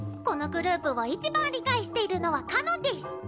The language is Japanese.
このグループを一番理解しているのはかのんデス！